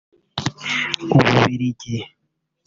u Bubiligi